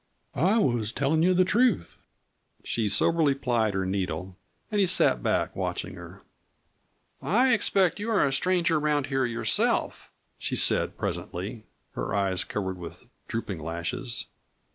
I was tellin' you the truth." She soberly plied her needle, and he sat back, watching her. "I expect you are a stranger around here yourself," she said presently, her eyes covered with drooping lashes.